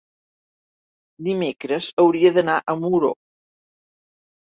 Dimecres hauria d'anar a Muro.